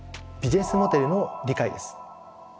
ビジネスモデルの理解です。